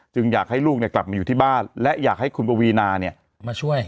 อยากให้ลูกกลับมาอยู่ที่บ้านและอยากให้คุณปวีนามาช่วย